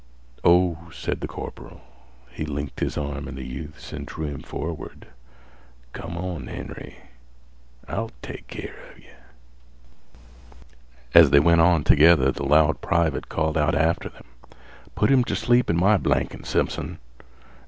"Oh," said the corporal. He linked his arm in the youth's and drew him forward. "Come on, Henry. I'll take keer 'a yeh." As they went on together the loud private called out after them: "Put 'im t' sleep in my blanket, Simpson.